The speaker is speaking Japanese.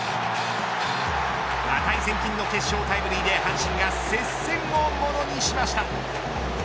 値千金の決勝タイムリーで阪神が接戦をものにしました。